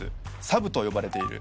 サブと呼ばれている。